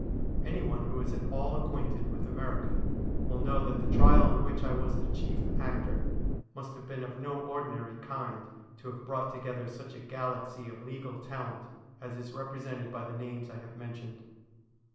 Anyone who is at all acquainted with America will know that the trial in which T was the chief actor must have been of no ordinary kind to have brought together such a galaxy of legal talent as is represented by the names I have mentioned.